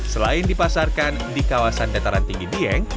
selain dipasarkan di kawasan dataran tinggi dieng